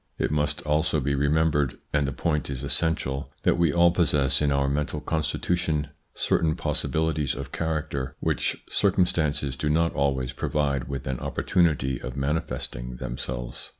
It must also be remembered, and the point is essential, that we all possess in our mental constitu / tion certain possibilities of character, which circum stances do not always provide with an opportunity of manifesting themselves.